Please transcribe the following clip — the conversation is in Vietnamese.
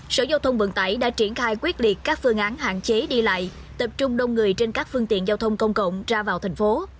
sở giao thông vận tải đã triển khai quyết liệt các phương án hạn chế đi lại tập trung đông người trên các phương tiện giao thông công cộng ra vào thành phố